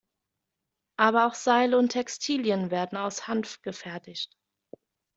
Aber auch Seile und Textilien werden aus Hanf gefertigt.